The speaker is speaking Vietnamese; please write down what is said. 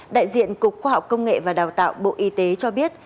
đại diện cục khoa học công nghệ và đào tạo bộ y tế cho biết